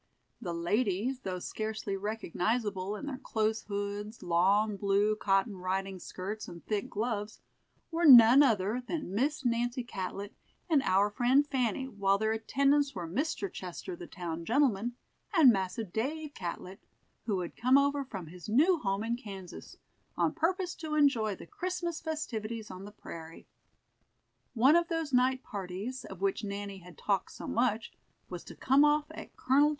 The ladies, though scarcely recognizable in their close hoods, long blue cotton riding skirts, and thick gloves, were none other than Miss Nancy Catlett and our friend Fanny, while their attendants were Mr. Chester, the town gentleman, and Massa Dave Catlett, who had come over from his new home in Kansas, on purpose to enjoy the Christmas festivities on the prairie. One of those night parties, of which Nanny had talked so much, was to come off at Col.